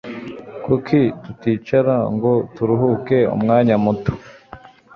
Kuki tuticara ngo turuhuke umwanya muto